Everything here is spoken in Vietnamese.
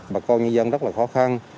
bà con như dân rất là khó khăn